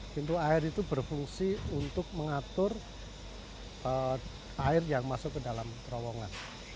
pintu air itu berfungsi untuk mengatur air yang masuk ke dalam terowongan